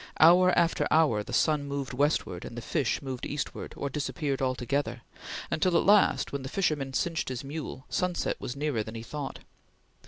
Hour after hour the sun moved westward and the fish moved eastward, or disappeared altogether, until at last when the fisherman cinched his mule, sunset was nearer than he thought.